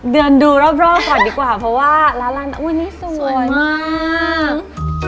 เดินดูรอบก่อนดีกว่าเพราะว่าร้านอุ้ยนี่สวยมาก